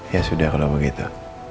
ya sudah kalau begitu